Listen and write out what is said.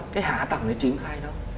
cái hạ tầng để triển khai nó